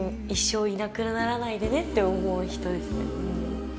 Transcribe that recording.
一生いなくならないでねって思う人ですね。